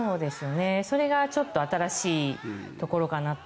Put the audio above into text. それがちょっと新しいところかなと。